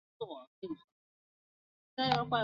就读于大阪府立北野中学校。